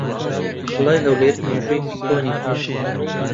قەڵای هەولێر مێژوویەکی کۆنی ھەیە.